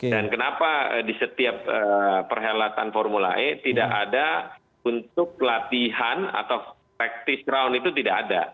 kenapa di setiap perhelatan formula e tidak ada untuk latihan atau taktis crown itu tidak ada